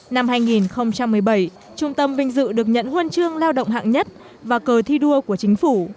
năm hai nghìn một mươi bảy trung tâm vinh dự được nhận huân chương lao động hạng nhất và cờ thi đua của chính phủ